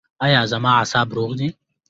ایا زما اعصاب روغ دي؟